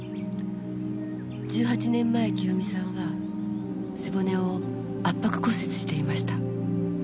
１８年前清美さんは背骨を圧迫骨折していました。